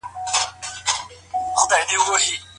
ښه خلک د علم او پوهې تږی وي.